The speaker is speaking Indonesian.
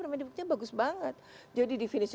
permendiknya bagus banget jadi definisi